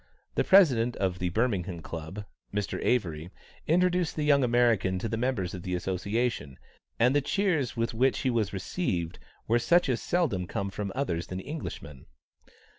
The President of the Birmingham Club, Mr. Avery, introduced the young American to the members of the association, and the cheers with which he was received were such as seldom come from others than Englishmen.